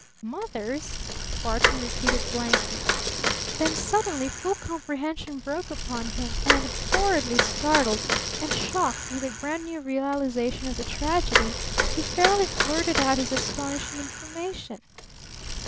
"'Mother's?'" Barton repeated blankly. Then suddenly full comprehension broke upon him, and, horridly startled and shocked with a brand new realization of the tragedy, he fairly blurted out his astonishing information.